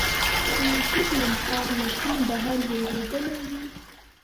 که یو څوک له مقام له سیمې بهر زېږېدلی وي.